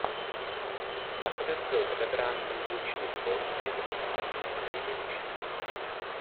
Nakonec byl odebrán největší zvon i zvon malý a nejmenší.